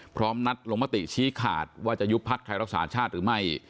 พร้อมนัดลงมติชี้ขาดว่าจะยุบพักไทยรักษาชาติหรือไม่